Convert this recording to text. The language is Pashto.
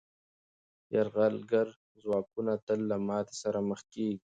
یرغلګر ځواکونه تل له ماتې سره مخ کېږي.